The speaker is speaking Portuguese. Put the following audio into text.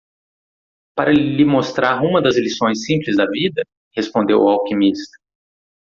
"Para lhe mostrar uma das lições simples da vida?", respondeu o alquimista.